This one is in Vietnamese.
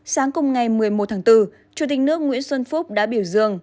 sáng cùng ngày một mươi một tháng bốn chủ tịch nước nguyễn xuân phúc đã biểu dương